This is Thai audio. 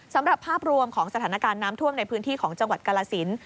สำหรับภาพรวมของสถานการณ์น้ำท่วมในพื้นที่ของจังหวัดกาลสิน